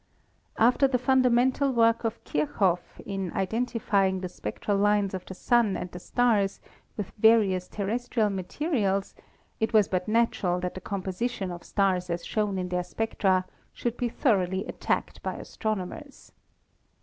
After the fundamental work of Kirchoff in identifying the spectral lines of the Sun and the stars with various terrestrial materials it was but natural that the compo sition of stars as shown in their spectra should be thoroly attacked by astronomers.